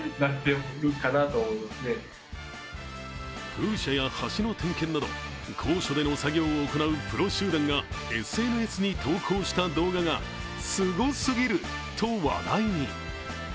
風車や橋の点検など高所での作業を行うプロ集団がＳＮＳに投稿した動画がすごすぎると話題に。